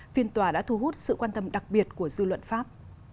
phiên tòa đã thu hút sự quan tâm đặc biệt của dư luận pháp